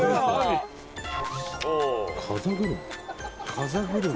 風車？